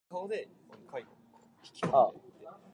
Almonds are a great source of protein and fiber.